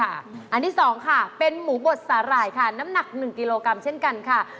อันที่๒ค่ะเป็นหมูบดสาหร่ายค่ะน้ำหนัก๑กิโลกรัมเช่นกันค่ะ